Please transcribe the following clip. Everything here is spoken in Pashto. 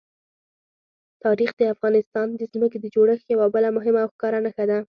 تاریخ د افغانستان د ځمکې د جوړښت یوه بله مهمه او ښکاره نښه ده.